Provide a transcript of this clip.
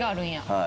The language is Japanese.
はい。